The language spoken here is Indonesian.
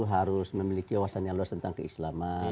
harus memiliki wawasan yang luas tentang keislaman